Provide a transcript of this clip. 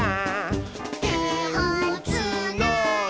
「てをつないで」